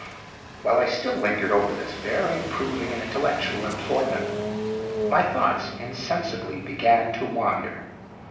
While I still lingered over this very improving and intellectual employment, my thoughts insensibly began to wander.